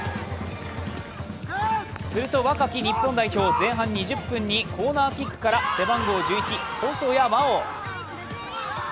すると若き日本代表前半２０分にコーナーキックから背番号１１・細谷真大。